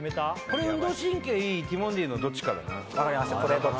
これ運動神経いいティモンディのどっちかだな分かりました